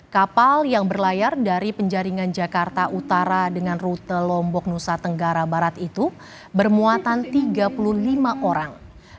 kapal yang berlayar dari penjaringan jakarta utara dengan rute lombok nusa tenggara barat itu bermuatan tiga puluh lima orang